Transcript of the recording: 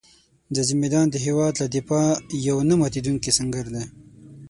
ځاځي میدان د هېواد له دفاع یو نه ماتېدونکی سنګر دی.